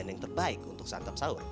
yang terbaik untuk santap sahur